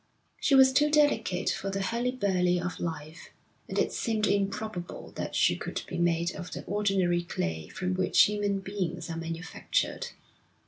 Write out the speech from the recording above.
She was too delicate for the hurly burly of life, and it seemed improbable that she could be made of the ordinary clay from which human beings are manufactured.